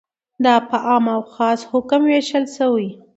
دا په عام او خاص حکم ویشل شوی.